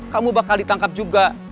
kamu bakal ditangkap juga